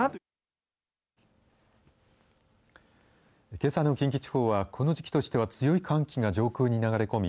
けさの近畿地方はこの時期としては強い寒気が上空に流れ込み